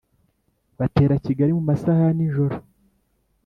Batera Kigali mu masaha ya nijoro